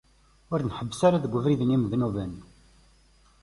Ur nḥebbes ara deg ubrid n yimednuben.